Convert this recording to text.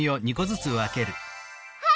はい！